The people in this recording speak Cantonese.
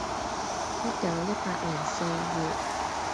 （一九一八年四月。）